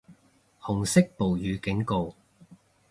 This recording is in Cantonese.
紅色暴雨警告